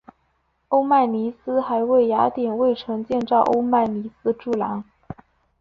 欧迈尼斯还为雅典卫城建造欧迈尼斯柱廊。